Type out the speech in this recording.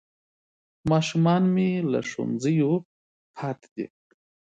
ماشومان مې له ښوونځیو پاتې دي